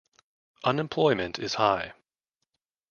Unemployment is high.